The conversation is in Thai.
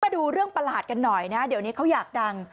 มาดูเรื่องประหลาดกันหน่อยนะเดี๋ยวนี้เขาอยากดัง